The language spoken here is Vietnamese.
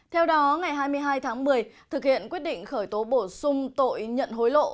theo đó ngày hai mươi hai tháng một mươi thực hiện quyết định khởi tố bổ sung tội nhận hối lộ